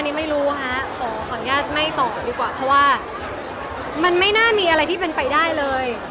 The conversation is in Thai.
นี่ไม่รู้ฮะขออนุญาตไม่ตอบดีกว่าเพราะว่ามันไม่น่ามีอะไรที่เป็นไปได้เลย